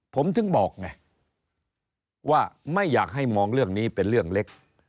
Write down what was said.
ผมถึงบอกไงว่าไม่อยากให้มองเรื่องนี้เป็นเรื่องเล็ก